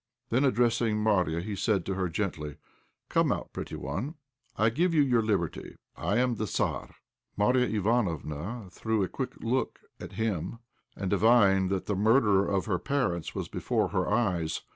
Then, addressing Marya, he said to her, gently, "Come out, pretty one; I give you your liberty. I am the Tzar." Marya Ivánofna threw a quick look at him, and divined that the murderer of her parents was before her eyes.